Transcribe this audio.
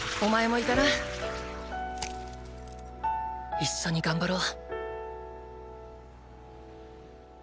一緒に頑張ろう。